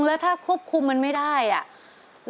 แล้วถ้าควบคุมมันไม่ได้อ่ะ